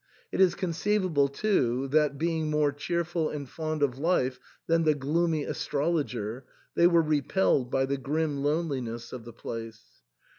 It is conceivable, too, that, being more cheerful and fond of life than the gloomy astrologer, they were repelled by the grim loneliness of the place.